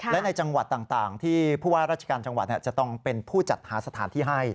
และในจังหวัดต่างที่ผู้ว่าราชการจังหวัดจะต้องเป็นผู้จัดหาสถานที่ให้